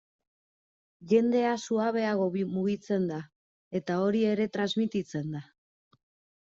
Jendea suabeago mugitzen da eta hori ere transmititzen da.